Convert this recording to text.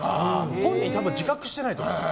本人自覚してないと思います。